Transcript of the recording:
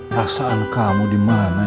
rasaan kamu dimana ya